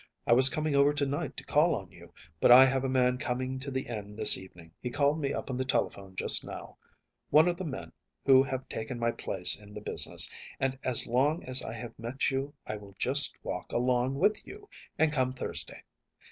I was coming over to night to call on you, but I have a man coming to the inn this evening he called me up on the telephone just now one of the men who have taken my place in the business; and as long as I have met you I will just walk along with you, and come Thursday.